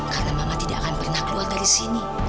karena mama tidak akan pernah keluar dari sini